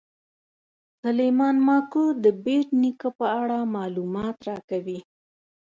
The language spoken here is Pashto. سلیمان ماکو د بېټ نیکه په اړه معلومات راکوي.